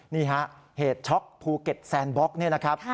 นี่ฮะเหตุช็อกภูเก็ตแซนบล็อกเนี่ยนะครับ